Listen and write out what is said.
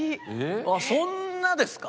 あっそんなですか？